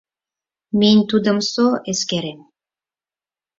Минь тудым со эскерем.